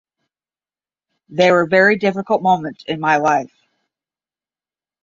They were very difficult moments in my life.